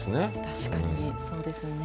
確かに、そうですよね。